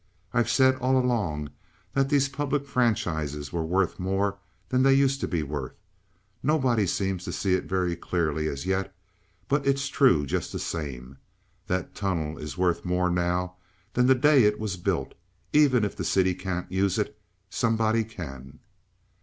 I've said all along that these public franchises were worth more than they used to be worth. Nobody seems to see it very clearly as yet, but it's true just the same. That tunnel is worth more now than the day it was built. Even if the city can't use it, somebody can."